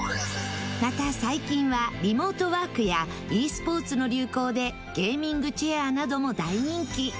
また最近はリモートワークやｅスポーツの流行でゲーミングチェアなども大人気。